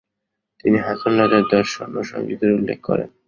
তিনি হাছন রাজার দর্শন ও সঙ্গীতের উল্লেখ করেন।